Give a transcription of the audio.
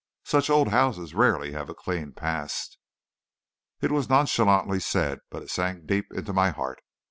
Such old houses rarely have a clean past." It was nonchalantly said, but it sank deep into my heart.